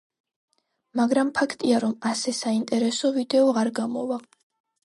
მაგრამ ფაქტია, რომ ასე საინტერესო ვიდეო არ გამოვა.